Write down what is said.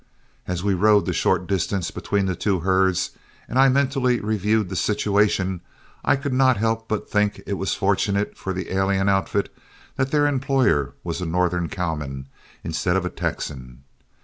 As we rode the short distance between the two herds and I mentally reviewed the situation, I could not help but think it was fortunate for the alien outfit that their employer was a Northern cowman instead of a Texan.